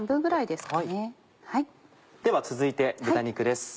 では続いて豚肉です。